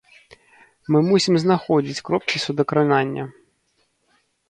Мы мусім знаходзіць кропкі судакранання.